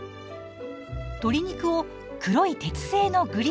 鶏肉を黒い鉄製のグリルパンへ。